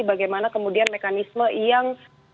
bagaimana kemudian mekanisme yang